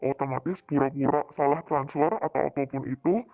otomatis pura pura salah transfer atau apapun itu